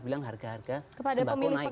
bilang harga harga sembako naik